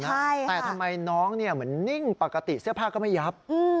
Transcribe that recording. แต่ทำไมน้องเหมือนนิ่งปกติเสื้อผ้าก็ไม่ยับ